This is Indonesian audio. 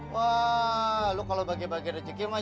wah lo kalo bagi bagi rezeki mah